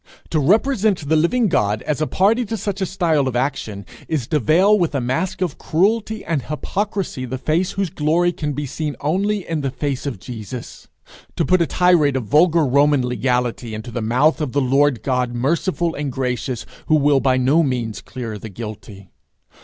To represent the living God as a party to such a style of action, is to veil with a mask of cruelty and hypocrisy the face whose glory can be seen only in the face of Jesus; to put a tirade of vulgar Roman legality into the mouth of the Lord God merciful and gracious, who will by no means clear the guilty.